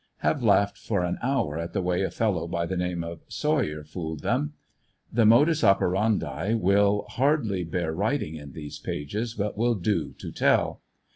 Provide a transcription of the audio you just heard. Have laughed for an hour at the way a fellow by the name of Sawyer fooled them. The modus operandi will hardly bear writing in these pages, but will do to tell.